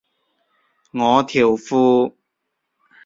我條褲